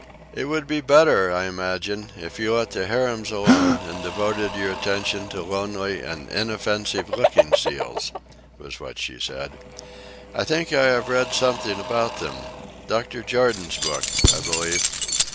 "It would be better, I imagine, if you let harems alone and devoted your attention to lonely and inoffensive looking seals," was what she said. "I think I have read something about them. Dr. Jordan's book, I believe.